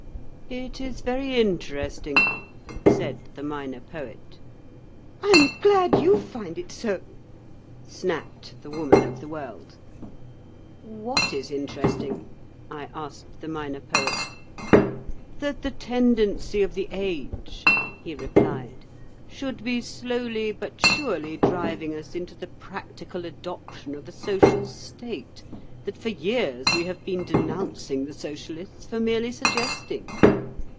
"It is very interesting," said the Minor Poet. "I am glad you find it so!" snapped the Woman of the World. "What is interesting?" I asked the Minor Poet. "That the tendency of the age," he replied, "should be slowly but surely driving us into the practical adoption of a social state that for years we have been denouncing the Socialists for merely suggesting.